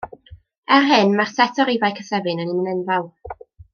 Er hyn, mae'r set o rifau cysefin yn un enfawr.